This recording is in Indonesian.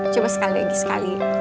coba sekali lagi sekali